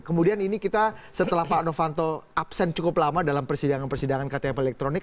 kemudian ini kita setelah pak novanto absen cukup lama dalam persidangan persidangan ktp elektronik